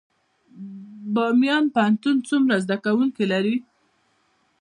بامیان پوهنتون څومره زده کوونکي لري؟